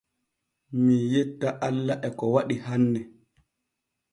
Mii yetta alla e ko waɗi hanne.